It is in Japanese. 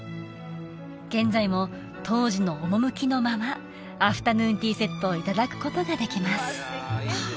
現在も当時の趣のままアフタヌーンティーセットをいただくことができます